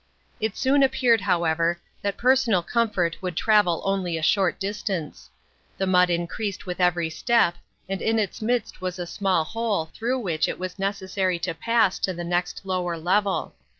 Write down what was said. It soon appeared, however, that personal comfort would travel only a short distance. The mud increased with every step, and in its midst was a small hole through which it was necessary to pass to the next lower level.